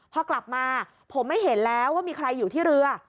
พอกลับมาผมไม่เห็นแล้วว่ามีใครอยู่ที่เรือ